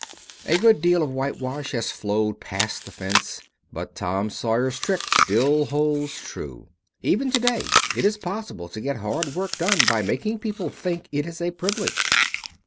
A good deal of whitewash has flowed past the fence, but Tom Sawyer's trick still holds good. Even to day it is possible to get hard work done by making people think of it as a privilege.